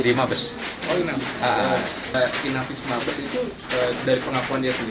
inafis mabes itu dari pengakuan dia sendiri